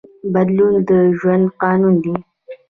بدلون د ژوند قانون دی.